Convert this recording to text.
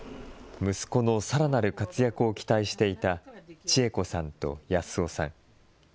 さらなる活躍を期待していた千惠子さんと保夫さん。